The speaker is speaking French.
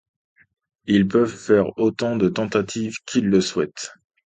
Ils peuvent faire autant de tentatives qu'ils le souhaitent.